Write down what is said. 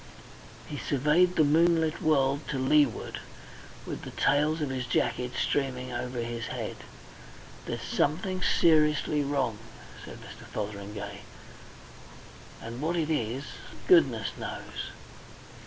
He surveyed the moonlit world to leeward, with the tails of his jacket streaming over his head. "There's something seriously wrong," said Mr. Fotheringay. "And what it is goodness knows."